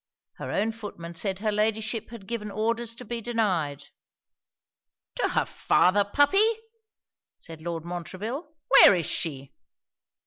Her own footman said her Ladyship had given orders to be denied. 'To her father, puppy?' said Lord Montreville. 'Where is she?'